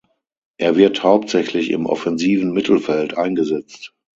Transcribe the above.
Er wird hauptsächlich im offensiven Mittelfeld eingesetzt.